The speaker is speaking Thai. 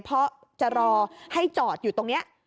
เพราะจะรอให้จอดอยู่ตรงนี้